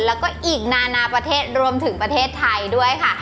แล้วก็อีกนานาประเทศรวมถึงประเทศไทยด้วยค่ะ